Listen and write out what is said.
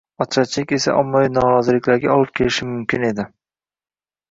Ocharchilik esa ommaviy noroziliklarga olib kelishi mumkin edi.